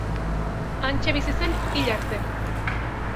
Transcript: Hantxe bizi zen hil arte.